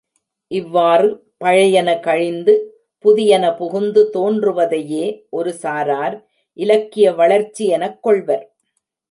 இவ்வாறு பழையன கழிந்து, புதியன புகுந்து தோன்றுவதையே, ஒரு சாரார் இலக்கிய வளர்ச்சி எனக் கொள்வர்.